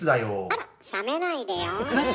冷めないでよ。